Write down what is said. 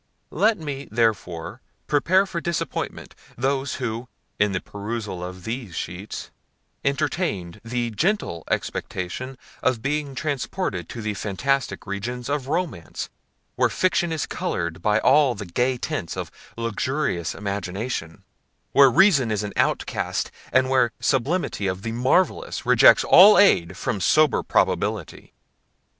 Let me, therefore, prepare for disappointment those who, in the perusal of these sheets, entertain the gentle expectation of being transported to the fantastic regions of Romance, where Fiction is coloured by all the gay tints of luxurious Imagination, where Reason is an outcast, and where the sublimity of the Marvellous rejects all aid from sober Probability.